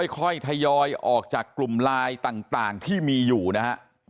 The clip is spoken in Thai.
ค่อยทยอยออกจากกลุ่มไลน์ต่างที่มีอยู่นะฮะ